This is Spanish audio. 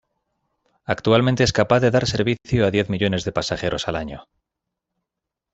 Actualmente es capaz de dar servicio a diez millones de pasajeros al año.